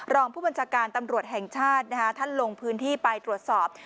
รองผู้บัญชาการตำรวจแห่งชาติท่านลงพื้นที่ไปตรวจสอบ